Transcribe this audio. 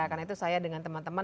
karena itu saya dengan teman teman